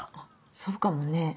そうかもね。